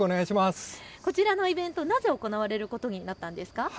こちらのイベント、なぜ行われることになったんですか。